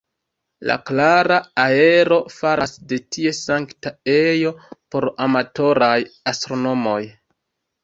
La klara aero faras de tie sankta ejo por amatoraj astronomoj.